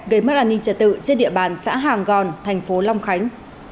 gây mất an ninh trật tự trên địa bàn xã hàng gòn thành phố long khánh